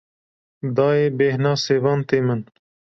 Dayê bêhna sêvan tê min.